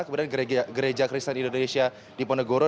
kemudian gereja kristen indonesia di ponegoro